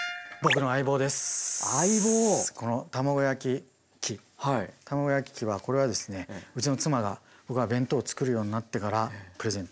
卵焼き器はこれはですねうちの妻が僕が弁当を作るようになってからプレゼントしてくれて。